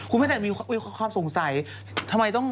คุณไม่ได้มีความสงสัยทำไมต้อง